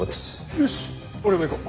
よし俺も行こう。